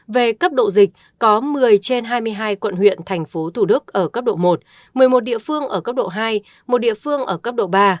về cấp độ dịch có một mươi trên hai mươi hai quận huyện thành phố thủ đức ở cấp độ một một mươi một địa phương ở cấp độ hai một địa phương ở cấp độ ba